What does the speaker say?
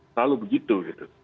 selalu begitu gitu